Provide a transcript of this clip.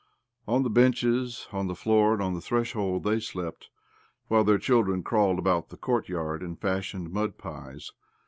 On the benches, on the floor, and on the threshold they, slept, while their children crawled about the courtyard and fashioned mud pies.